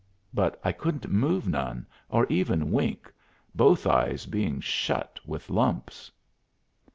But I couldn't move none, or even wink, both eyes being shut with lumps.